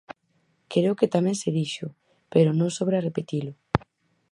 Creo que tamén se dixo, pero non sobra repetilo.